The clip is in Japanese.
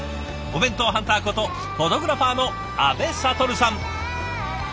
お弁当ハンターことフォトグラファーの阿部了さん。